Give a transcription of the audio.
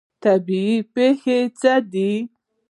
طبیعي پیښې څه دي؟